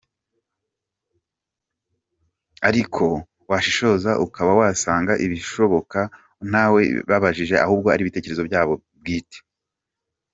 Ariko washishoza ukaba wasanga bishoboka ko ntawe babajije ahubwo ari ibitekerezo byabo bwite.